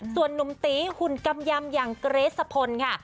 ส่วนนุ่มตีหุ่นกำยำอย่างเกรสสะพลค่ะ